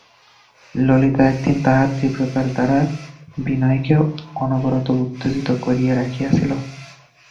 ললিতা এতদিন তাহার তীব্রতার দ্বারা বিনয়কে অনবরত উত্তেজিত করিয়া রাখিয়াছিল।